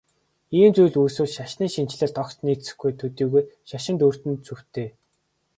Ийм зүйл үүсвэл шашны шинэчлэлд огт нийцэхгүй төдийгүй шашинд өөрт нь цөвтэй.